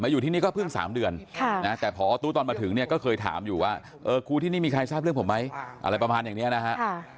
อยู่ที่นี่ก็เพิ่ง๓เดือนแต่พอตู้ตอนมาถึงเนี่ยก็เคยถามอยู่ว่าครูที่นี่มีใครทราบเรื่องผมไหมอะไรประมาณอย่างนี้นะฮะ